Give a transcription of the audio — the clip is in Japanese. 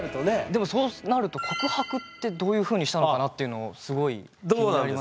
でもそうなると告白ってどういうふうにしたのかなっていうのをすごい気になりますね。